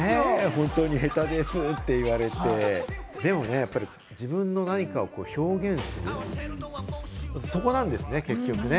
本当に下手ですって言われて、でもね、自分の何かを表現する、そこなんですよね、結局ね。